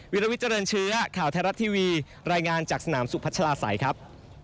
วิลวิเจริญเชื้อข่าวไทยรัฐทีวีรายงานจากสนามสุพัชลาศัยครับ